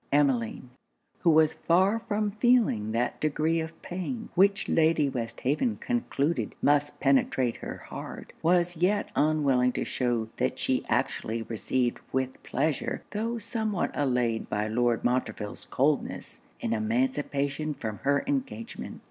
Emmeline, who was far from feeling that degree of pain which Lady Westhaven concluded must penetrate her heart, was yet unwilling to shew that she actually received with pleasure (tho' somewhat allayed by Lord Montreville's coldness) an emancipation from her engagement.